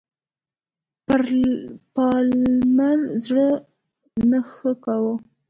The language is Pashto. پالمر زړه نه ښه کاوه.